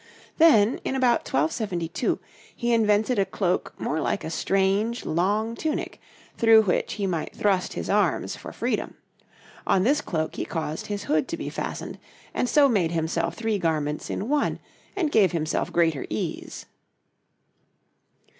Then, in about 1272, he invented a cloak more like a strange, long tunic, through which he might thrust his arms for freedom; on this cloak he caused his hood to be fastened, and so made himself three garments in one, and gave himself greater ease.